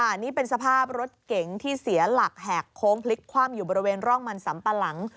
อันนี้เป็นสภาพรถเก๋งที่เสียหลักแหกโค้งพลิกคว่ำอยู่บริเวณร่องมันสัมปะหลัง